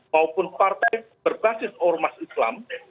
maupun partai berbasis ormas islam